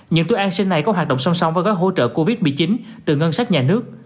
những túi an sinh này có hoạt động song song với gói hỗ trợ covid một mươi chín từ ngân sách nhà nước